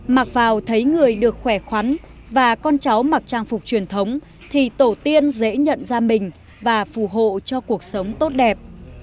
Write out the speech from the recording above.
mặc vào thấy người được khỏe khoắn và con cháu mặc trang phục truyền thống thì tổ tiên dễ nhận ra mình và phù hộ cho cuộc sống tốt đẹp